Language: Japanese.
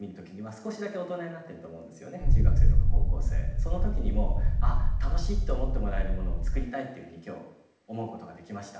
その時にもあっ楽しいって思ってもらえるものを作りたいっていうふうに今日思うことができました。